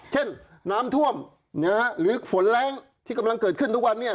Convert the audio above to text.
เช่นน้ำท่วมนะฮะหรือฝนแรงที่กำลังเกิดขึ้นทุกวันนี้